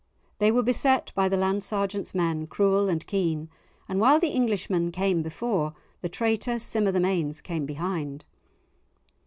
They were beset by the Land Sergeant's men, cruel and keen, and while the Englishmen came before, the traitor Sim o' the Mains came behind.